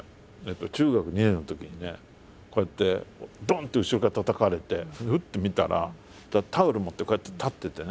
中学２年のときにねこうやってドンッて後ろからたたかれてそれでふって見たらタオル持ってこうやって立っててね